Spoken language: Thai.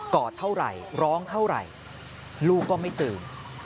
อดเท่าไหร่ร้องเท่าไหร่ลูกก็ไม่ตื่น